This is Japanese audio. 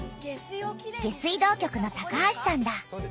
下水道局の橋さんだ。